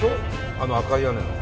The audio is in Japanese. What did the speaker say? あの赤い屋根の。